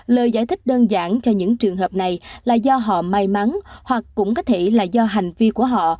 lời giải thích đơn giản cho những trường hợp này là do họ may mắn hoặc cũng có thể là do hành vi của họ